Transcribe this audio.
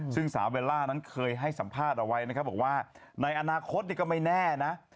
ซึ่งสาวเบลล่านั้นเคยให้สัมภาษณ์เอาไว้นะครับบอกว่าในอนาคตก็ไม่แน่นะ